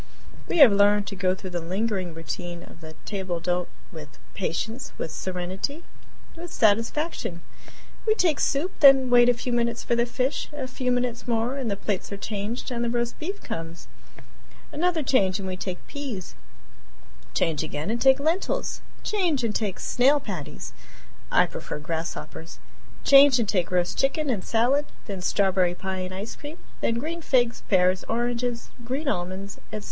We have learned to go through the lingering routine of the table d'hote with patience, with serenity, with satisfaction. We take soup, then wait a few minutes for the fish; a few minutes more and the plates are changed, and the roast beef comes; another change and we take peas; change again and take lentils; change and take snail patties (I prefer grasshoppers); change and take roast chicken and salad; then strawberry pie and ice cream; then green figs, pears, oranges, green almonds, etc.